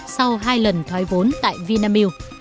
sau hai lần thoái vốn tại vnm